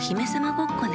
ごっこね